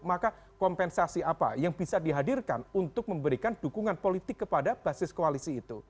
maka kompensasi apa yang bisa dihadirkan untuk memberikan dukungan politik kepada basis koalisi itu